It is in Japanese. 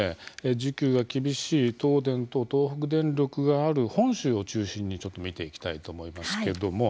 需給が厳しい東電と東北電力がある本州を中心にちょっと見ていきたいと思いますけども。